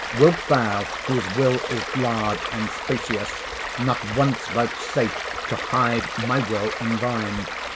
Wilt thou, whose will is large and spacious, Not once vouchsafe to hide my will in thine?